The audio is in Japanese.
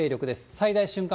最大瞬間